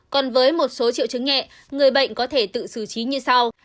còn với một số triệu chứng nhẹ người bệnh có thể tự xử trí như sau